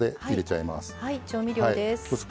はい調味料です。